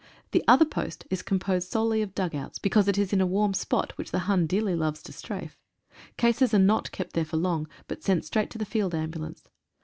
The other post is composed solely of dugouts, because it is in a warm spot, which the Hun dearly loves to strafe. Cases are not kept there for long, but sent straight to the Field Ambulance.